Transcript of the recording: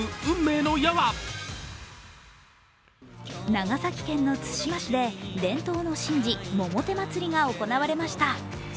長崎県の対馬市で伝統の神事百手祭りが行われました。